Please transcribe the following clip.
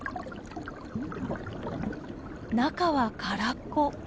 中は空っぽ。